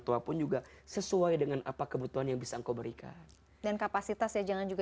tua pun juga sesuai dengan apa kebutuhan yang bisa engkau berikan dan kapasitasnya jangan juga